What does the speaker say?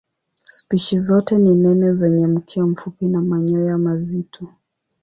Spishi zote ni nene zenye mkia mfupi na manyoya mazito.